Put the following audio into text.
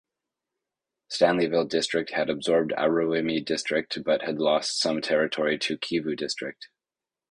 Stanleyville District had absorbed Aruwimi District but had lost some territory to Kivu District.